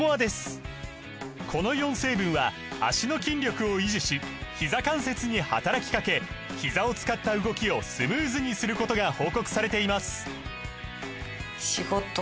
この４成分は脚の筋力を維持しひざ関節に働きかけひざを使った動きをスムーズにすることが報告されています